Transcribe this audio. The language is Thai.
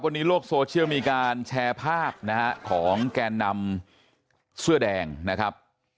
วันนี้โลกโซเชียลมีการแชร์ภาพนะฮะของแกนนำเสื้อแดงนะครับ